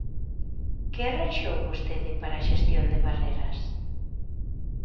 ¿Que arranxou vostede para a xestión de Barreras?